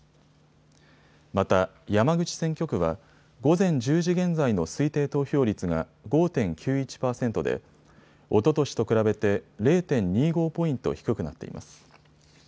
また山口選挙区は午前１０時現在の推定投票率が５．９１％でおととしと比べて０．２５ポイント低くなっています。